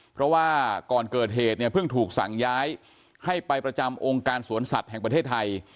เพราะว่าก่อนเกิดเหตุเนี่ยเพิ่งถูกสั่งย้ายให้ไปประจำองค์การสวนสัตว์แห่งประเทศไทย